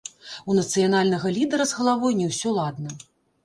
У нацыянальнага лідэра з галавой не ўсё ладна!